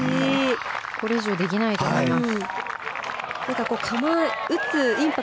これ以上できないと思います。